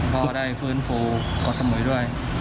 ก็ได้ฟื้นฟูเกาะสมุยด้วย